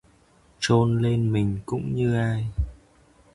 Trôn lên mình cũng như ai